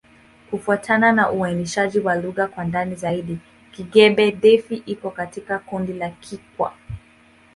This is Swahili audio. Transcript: Kufuatana na uainishaji wa lugha kwa ndani zaidi, Kigbe-Defi iko katika kundi la Kikwa.